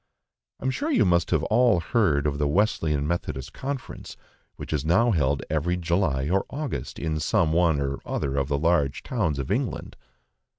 I am sure you must all have heard of the Wesleyan Methodist Conference, which is now held every July or August in some one or other of the large towns of England.